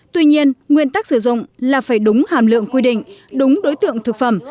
tuy nhiên nguyên tắc sử dụng là phải đúng hàm lượng quy định đúng đối tượng thực phẩm